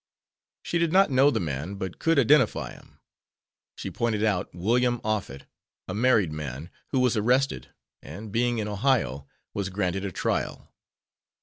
She did not know the man but could identify him. She pointed out William Offett, a married man, who was arrested and, being in Ohio, was granted a trial.